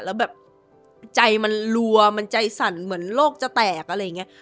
แล้วแบบใจมันรัวมันใจสั่นเหมือนโรคจะแตกอะไรอย่างนี้